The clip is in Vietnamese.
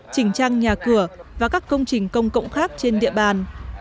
chỉnh trang nhà cửa và các công trình công cộng khác trên địa bàn